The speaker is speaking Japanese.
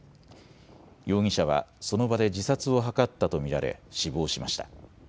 容疑者はその場で自殺を図ったと見られ死亡しました。